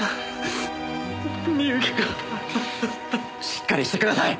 しっかりしてください。